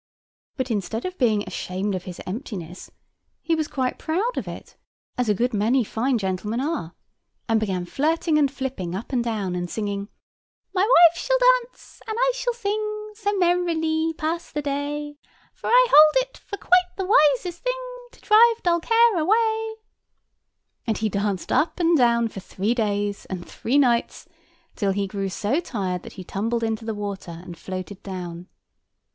But, instead of being ashamed of his emptiness, he was quite proud of it, as a good many fine gentlemen are, and began flirting and flipping up and down, and singing— "My wife shall dance, and I shall sing, So merrily pass the day; For I hold it for quite the wisest thing, To drive dull care away." And he danced up and down for three days and three nights, till he grew so tired, that he tumbled into the water, and floated down.